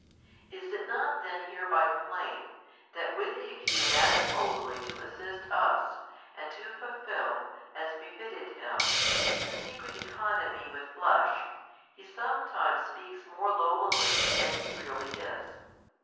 Is it not then hereby plain, that with a view manifoldly to assist us, and to fulfill, as befitted Him, the secret economy with Flesh, He sometimes speaks more lowlily, than He really is?